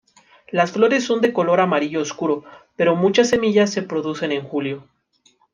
Las flores son de color amarillo oscuro, pero muchas semillas se producen en julio.